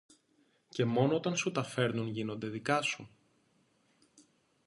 Και μόνο όταν σου τα φέρνουν γίνονται δικά σου;